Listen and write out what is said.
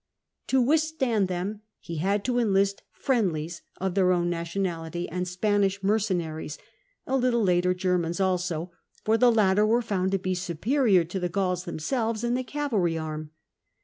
To withstand them he had to enlist " friendlies " of their own nationality, and Spanish mercenaries : a little later Germans also, for the latter were found to he superior to the Gauls themselves in the cavalry arm.